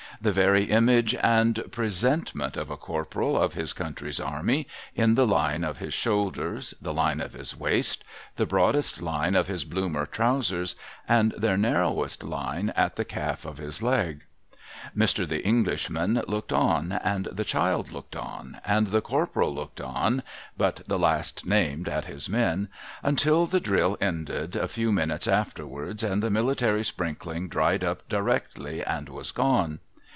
The very image and presentment of a Corporal of his country's army, in the line of his shoulders, the line of his waist, the broadest line of his Bloomer trousers, and their narrowest line at the calf of his leg. Mr. The Englishman looked on, and the child looked on, and the Corporal looked on (but the last named at his men), until the drill ended a few minutes afterwards, and the military sprinkling dried up directly, and was gone.